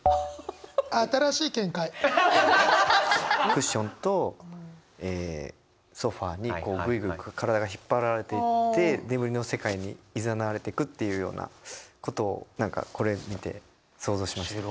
クッションとソファーにこうぐいぐい体が引っ張られていって眠りの世界に誘われていくっていうようなことを何かこれ見て想像しました。